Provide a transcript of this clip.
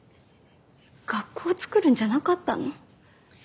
学校を作るんじゃなかったの？